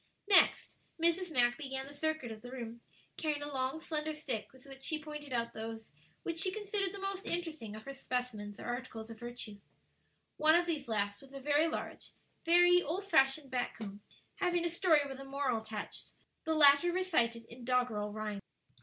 Next, Mrs. Mack began the circuit of the room, carrying a long slender stick with which she pointed out those which she considered the most interesting of her specimens or articles of virtu. One of these last was a very large, very old fashioned back comb, having a story with a moral attached, the latter recited in doggerel rhyme.